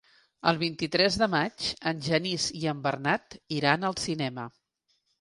El vint-i-tres de maig en Genís i en Bernat iran al cinema.